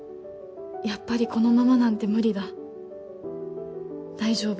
やっぱりこのままなんて無理だ大丈夫